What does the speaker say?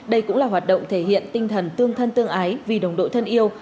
đây cũng là hoạt động thể hiện tinh thần tương thân tương ái vì đồng đội thân yêu